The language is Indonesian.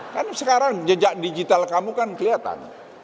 kan sekarang jejak digital kamu kan kelihatan